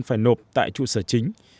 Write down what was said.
phải nộp tại trụ sở chính